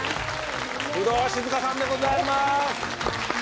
工藤静香さんでございます。